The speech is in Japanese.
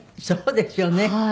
そうですよね。